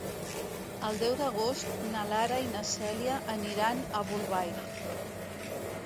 El deu d'agost na Lara i na Cèlia aniran a Bolbait.